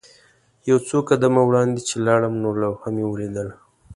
یو څو قدمه وړاندې چې لاړم نو لوحه مې ولیدله.